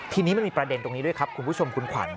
ทีนี้มันมีประเด็นตรงนี้ด้วยครับคุณผู้ชมคุณขวัญ